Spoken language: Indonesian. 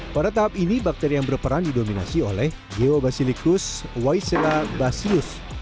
pada tahap ini bakteri yang berperan didominasi oleh geobasilicus weisselabacius